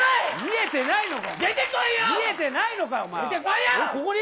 見えてないのか？